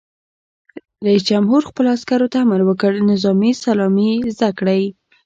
رئیس جمهور خپلو عسکرو ته امر وکړ؛ نظامي سلامي زده کړئ!